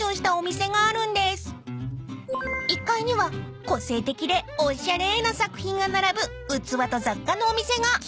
［１階には個性的でおしゃれな作品が並ぶ器と雑貨のお店が］